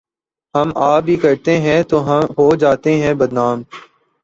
ہم آہ بھی کرتے ہیں تو ہو جاتے ہیں بدنام۔